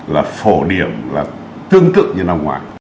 là phổ điểm tương tự như năm ngoài